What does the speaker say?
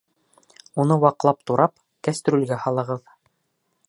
Уны ваҡлап турап, кәстрүлгә һалығыҙ.